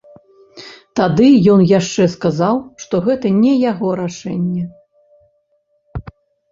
Тады ён яшчэ сказаў, што гэта не яго рашэнне.